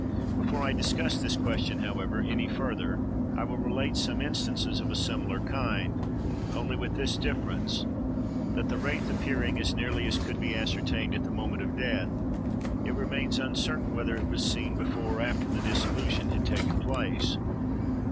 Before I discuss this question, however, any further, I will relate some instances of a similar kind, only with this difference, that the wraith appearing as nearly as could be ascertained at the moment of death, it remains uncertain whether it was seen before or after the dissolution had taken place.